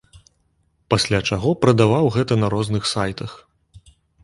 Пасля чаго прадаваў гэта на розных сайтах.